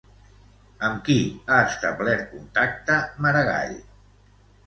Amb qui ha establert contacte Maragall?